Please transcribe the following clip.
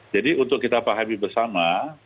jadi untuk kita pahami bersama